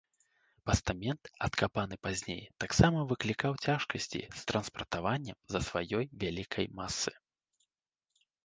Пастамент, адкапаны пазней, таксама выклікаў цяжкасці з транспартаваннем з-за сваёй вялікай масы.